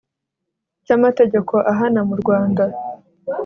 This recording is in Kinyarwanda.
cy amategeko ahana mu rwanda